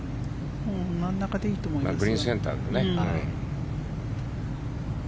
真ん中でいいと思います。